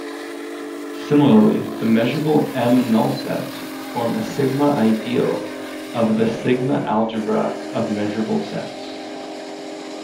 Similarly, the measurable "m"-null sets form a sigma-ideal of the sigma-algebra of measurable sets.